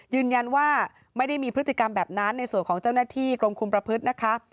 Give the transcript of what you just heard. ยืนยันว่าไม่ได้มีพฤติกรรมแบบนั้นในส่วนของเจ้าหน้าที่กรมคุมประพฤตินะคะ